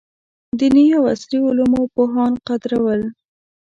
دیني او عصري علومو پوهان قدرول.